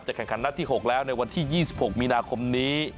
แข่งขันนัดที่๖แล้วในวันที่๒๖มีนาคมนี้